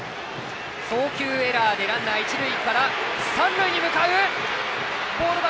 送球エラーでランナー、三塁へ向かう！